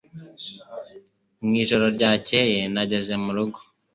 Mwijoro ryakeye nageze murugo